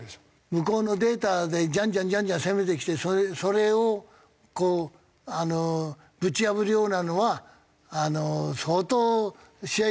向こうのデータでじゃんじゃんじゃんじゃん攻めてきてそれをこうぶち破るようなのは相当試合